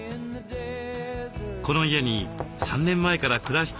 この家に３年前から暮らしているのが。